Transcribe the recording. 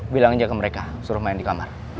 bilang aja ke mereka suruh main di kamar